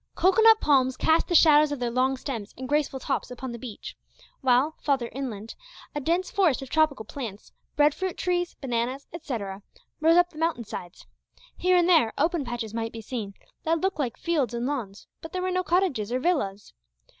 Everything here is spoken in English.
Cocoanut palms cast the shadows of their long stems and graceful tops upon the beach, while, farther inland, a dense forest of tropical plants bread fruit trees, bananas, etcetera rose up the mountain sides. Here and there open patches might be seen, that looked like fields and lawns, but there were no cottages or villas.